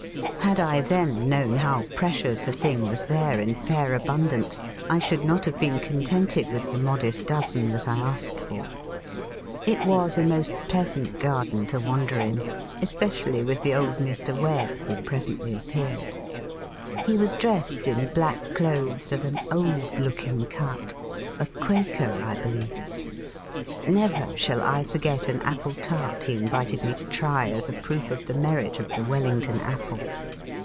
Had I then known how precious a thing was there in fair abundance, I should not have been contented with the modest dozen that I asked for. It was a most pleasant garden to wander in, especially with the old Mr. Webb who presently appeared. He was dressed in black clothes of an old looking cut a Quaker, I believe. Never shall I forget an apple tart he invited me to try as a proof of the merit of the "Wellington" apple.